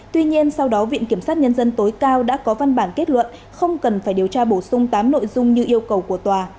tuy nhiên sau đó viện kiểm sát nhân dân tối cao đã có văn bản kết luận không cần phải điều tra bổ sung tám nội dung như yêu cầu của tòa